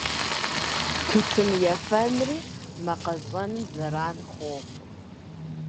Тутын ефэнри мэ къэщӀэным зэран хуохъу.